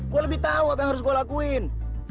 gue lebih tahu apa yang harus gue lakuin